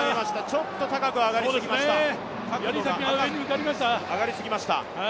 ちょっと高く上がりすぎていきました。